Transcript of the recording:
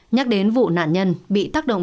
nhắc đến vụ nạn nhân bị tác động